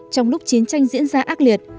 trong lúc chiến tranh diễn ra ác liệt